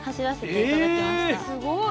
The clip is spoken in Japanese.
すごい！